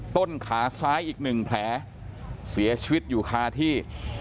ต้นขาซ้ายอีกหนึ่งแผลเสียชีวิตอยู่คาที่